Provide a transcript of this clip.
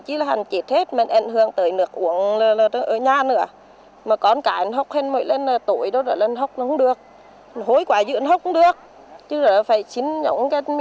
chị sẽ giải quyết